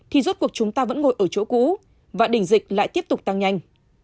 thì rốt cuộc chúng ta vẫn ngồi ở chỗ cũ và đỉnh dịch lại tiếp tục tăng nhanh